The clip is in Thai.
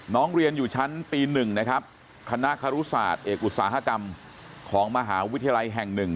เรียนอยู่ชั้นปี๑นะครับคณะครุศาสตร์เอกอุตสาหกรรมของมหาวิทยาลัยแห่ง๑